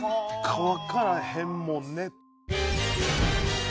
「わからへんもんね」。